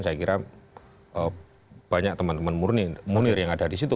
saya kira banyak teman teman munir yang ada di situ